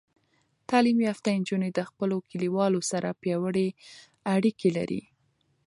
تعلیم یافته نجونې د خپلو کلیوالو سره پیاوړې اړیکې لري.